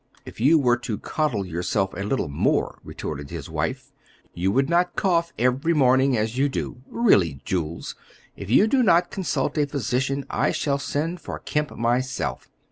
"If you were to coddle yourself a little more," retorted his wife, "you would not cough every morning as you do. Really, Jules, if you do not consult a physician, I shall send for Kemp myself.